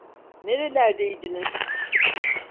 Nerelerdeydiniz?